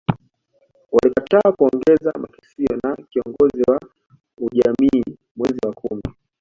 Walikataa kuongeza makisio na kiongozi wa ujamii mwezi wa kumi